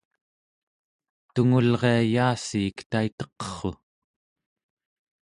tungulria yaassiik taiteqerru!